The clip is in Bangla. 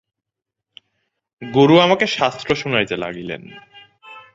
গুরু আমাকে শাস্ত্র শুনাইতে লাগিলেন।